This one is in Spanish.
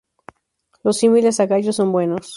Los símiles a gallos son buenos.